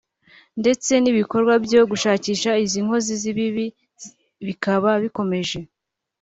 ndetse n’ibikorwa byo gushakisha izi nkozi z’ibibi bikaba bikomeje